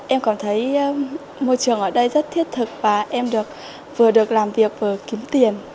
em cảm thấy môi trường ở đây rất thiết thực và em được vừa được làm việc vừa kiếm tiền